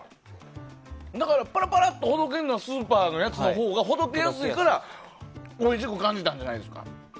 パラパラっとほどけるのはスーパーのやつのほうがほどけやすいからおいしく感じたんじゃないですか？